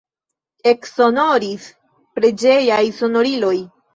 Eksonoris preĝejaj sonoriloj.